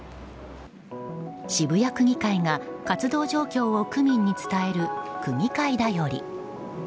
渋谷区議会が活動状況を区民に伝える区議会だより。